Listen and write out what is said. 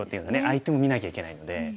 相手も見なきゃいけないので。